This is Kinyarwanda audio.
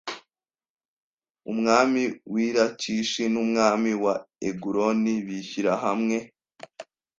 umwami w i Lakishi n umwami wa Eguloni bishyira hamwe